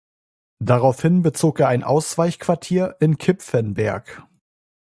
Daraufhin bezog er ein Ausweichquartier in Kipfenberg.